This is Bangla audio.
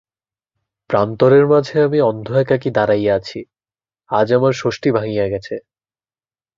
প্রান্তরের মধ্যে আমি অন্ধ একাকী দাঁড়াইয়া আছি, আজ আমার ষষ্টি ভাঙিয়া গেছে।